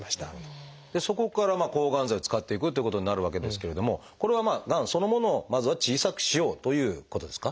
そこから抗がん剤を使っていくということになるわけですけれどもこれはがんそのものをまずは小さくしようということですか？